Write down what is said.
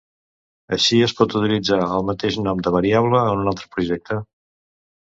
Així es pot utilitzar el mateix nom de variable en un altre objecte.